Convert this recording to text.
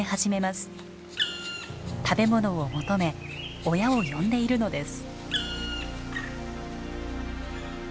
食べ物を求め親を呼んでいるのです。